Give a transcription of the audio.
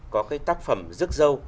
có cái tác phẩm rước dâu